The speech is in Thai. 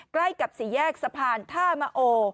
ใกล้กับสี่แยกสะพานท่ามะโอ